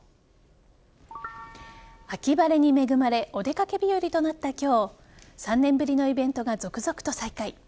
秋晴れに恵まれお出掛け日和となった今日３年ぶりのイベントが続々と再開。